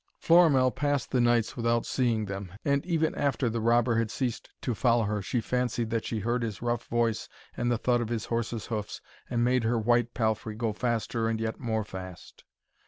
Florimell passed the knights without seeing them. And even after the robber had ceased to follow her, she fancied that she heard his rough voice and the thud of his horse's hoofs, and made her white palfrey go faster and yet more fast.